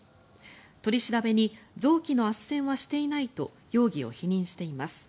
取り調べに臓器のあっせんはしていないと容疑を否認しています。